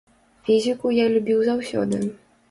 Фізіку я любіў заўсёды.